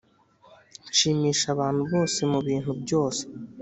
nshimisha abantu bose mu bintu byose